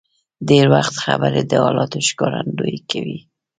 ډېر وخت خبرې د حالاتو ښکارندویي کوي.